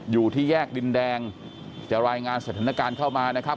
อยู่ที่แยกดินแดงจะรายงานสถานการณ์เข้ามานะครับ